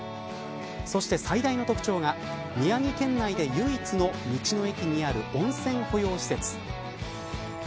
そして最大の特徴が宮城県内で唯一の道の駅にある温泉保養施設。